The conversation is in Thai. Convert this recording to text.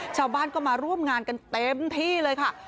ชาวบ้านก็มาร่วมงานกันเต็มที่เลยค่ะ